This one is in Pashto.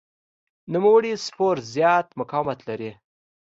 نوموړی سپور زیات مقاومت لري.